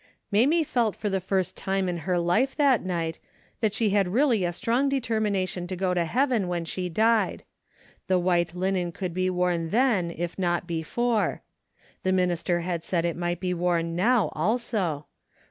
' Mamie felt for the first time in her life that night, that she had really a strong determina tion to go to heaven when she died. The white linen could be worn then, if not before. The minister had said it might be worn now also.